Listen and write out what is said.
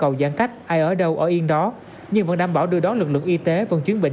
hành giãn cách ai ở đâu ở yên đó nhưng vẫn đảm bảo đưa đón lực lượng y tế phòng chuyến bệnh